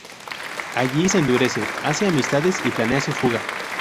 Allí se endurece, hace amistades y planea su fuga.